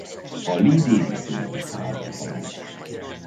A Lee-Davis középiskolában tanult.